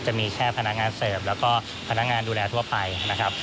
จะมีแค่พนักงานเสิร์ฟแล้วก็พนักงานดูแลทั่วไปนะครับ